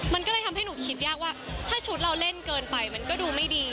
มันก็เลยทำให้หนูคิดยากว่าถ้าชุดเราเล่นเกินไปมันก็ดูไม่ดี